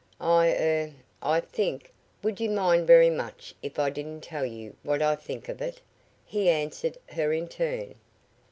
"I er I think would you mind very much if I didn't tell you what I think of it?" he answered her in turn.